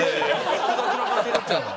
複雑な関係になっちゃうな。